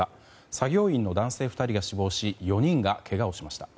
作業員の男性２人が死亡し４人がけがをしました。